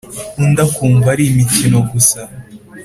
undi akumva ari imikino gusa